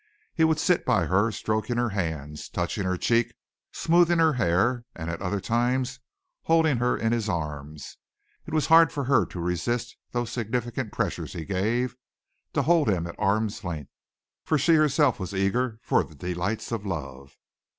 He would sit by her stroking her hands, touching her cheek, smoothing her hair, or at other times holding her in his arms. It was hard for her to resist those significant pressures he gave, to hold him at arm's length, for she herself was eager for the delights of love.